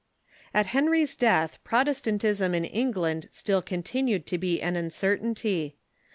At Henry's death Protestantism in England still continued to be an uncertainty.